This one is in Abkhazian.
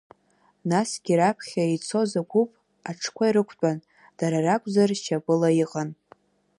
Насгьы раԥхьа ицоз агәыԥ аҽқәа ирықәтәан дара ракәзар шьапыла иҟан.